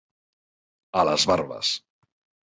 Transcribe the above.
A les barbes.